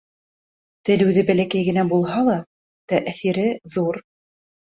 Тел үҙе бәләкәй генә булһа ла, тәьҫире ҙур.